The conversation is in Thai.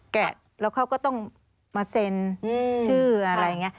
แกะแล้วเขาก็ต้องมาเซ็นชื่ออะไรอย่างนี้